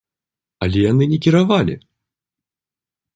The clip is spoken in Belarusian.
Але яны не кіравалі!